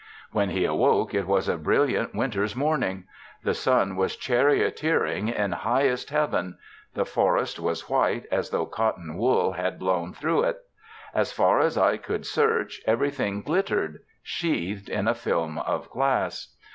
When he awoke it was a brilliant winter's morning. The sun was charioteering in highest heaven. The forest was white as though cotton wool had blown through it. As far as eye could search, everything glittered, sheathed in a film of glass.